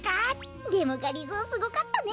でもがりぞーすごかったね。